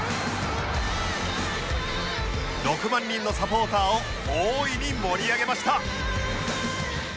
６万人のサポーターを大いに盛り上げました